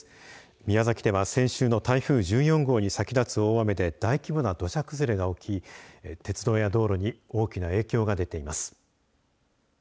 宮崎では先週の台風１４号に先立つ大雨で大規模な土砂崩れが起き鉄道や道路に大きな影響が出ています。